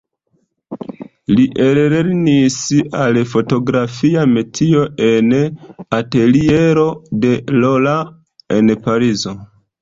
Li ellernis al fotografia metio en ateliero de Laurent en Parizo.